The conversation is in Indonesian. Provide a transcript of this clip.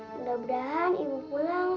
mudah mudahan ibu pulang